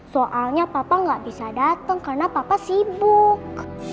soalnya papa gak bisa dateng karena papa sibuk